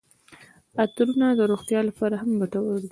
عطرونه د روغتیا لپاره هم ګټور دي.